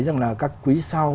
rằng là các quý sau